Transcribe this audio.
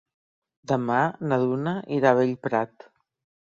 Demà na Duna irà a Bellprat.